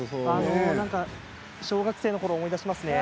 小学生のころを思い出しますね。